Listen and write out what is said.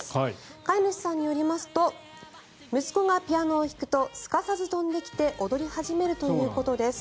飼い主さんによりますと息子がピアノを弾くとすかさず飛んできて踊り始めるということです。